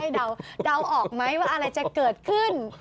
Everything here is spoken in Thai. เดาออกไหมว่าอะไรจะเกิดขึ้น